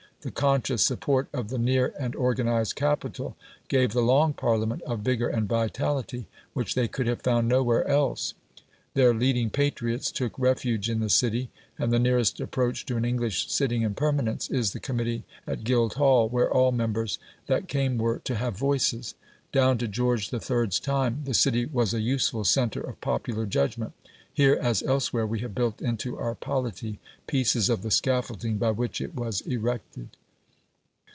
The conscious support of the near and organised capital gave the Long Parliament a vigour and vitality which they could have found nowhere else. Their leading patriots took refuge in the City, and the nearest approach to an English "sitting in permanence" is the committee at Guildhall, where all members "that came were to have voices". Down to George III.'s time the City was a useful centre of popular judgment. Here, as elsewhere, we have built into our polity pieces of the scaffolding by which it was erected.